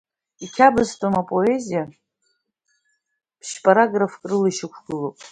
Иқьабзтәым апоезиа ԥшьпараграфк рыла ишьақәгылоуп.